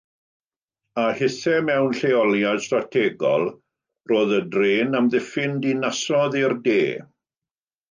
A hithau mewn lleoliad strategol, roedd y dref yn amddiffyn dinasoedd i'r de.